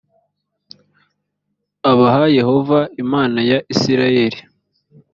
ubaha yehova imana ya isirayeli